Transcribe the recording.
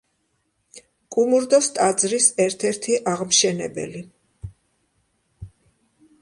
კუმურდოს ტაძრის ერთ-ერთი აღმშენებელი.